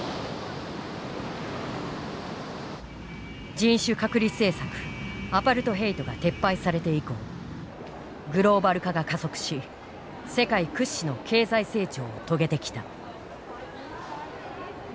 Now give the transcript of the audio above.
人種隔離政策アパルトヘイトが撤廃されて以降グローバル化が加速し世界屈指の経済成長を遂げてきた。